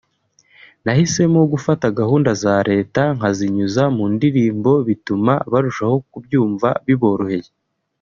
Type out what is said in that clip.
nahisemo gufata gahunda za leta nkazinyuza mu ndirimbo bituma barushaho kubyumva biboroheye